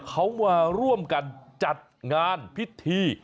เขามาร่วมกันจัดงานพิธี